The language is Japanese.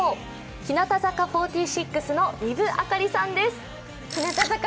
日向坂４６の丹生明里さんです。